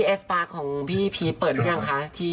เอสปาร์ของพี่พีชเปิดหรือยังคะ